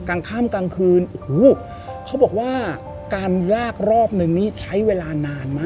กลางค่ำกลางคืนโอ้โหเขาบอกว่าการลากรอบนึงนี่ใช้เวลานานมาก